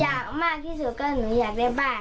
อยากมากที่สุดก็หนูอยากได้บ้าน